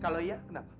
kalau iya kenapa